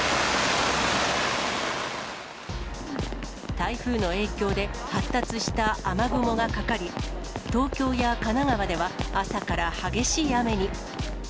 台風の影響で、発達した雨雲がかかり、東京や神奈川では朝から激しい雨に。